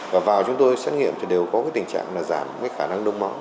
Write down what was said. và vào chúng tôi xét nghiệm thì đều có tình trạng giảm khả năng đông máu